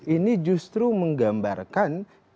ini justru menggambarkan